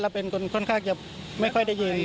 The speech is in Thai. เป็นคนค่อนข้างจะไม่ค่อยได้ยิน